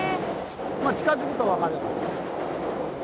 まあ近づくと分かる。